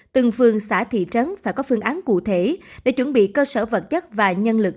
từng phường xã thị trấn phải có phương án cụ thể để chuẩn bị cơ sở vật chất và nhân lực